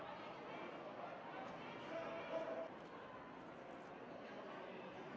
หยุดยืนหน้าก็ได้นะครับเพราะว่าเราเอามือถูกเราถ่ายง่ายอยู่แล้ว